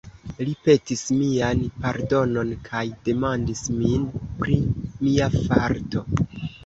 Li petis mian pardonon, kaj demandis min pri mia farto.